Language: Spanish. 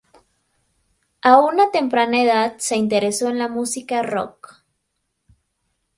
A una temprana edad se interesó en la música "rock".